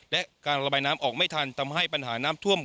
และการระบายน้ำออกไม่ทันทำให้ปัญหาน้ำท่วม